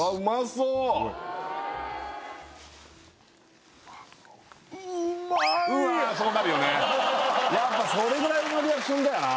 そうなるよねやっぱそれぐらいのリアクションだよな